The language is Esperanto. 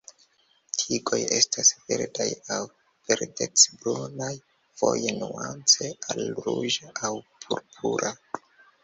Tigoj estas verdaj aŭ verdec-brunaj, foje nuance al ruĝa aŭ purpura.